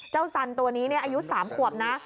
สันตัวนี้อายุ๓ขวบนะ